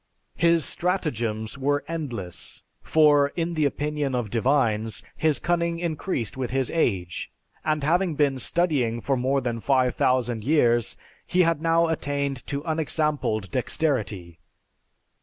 His stratagems were endless. For, in the opinion of divines, his cunning increased with his age; and having been studying for more than 5000 years, he had now attained to unexampled dexterity.